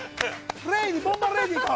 ボンバーレディか？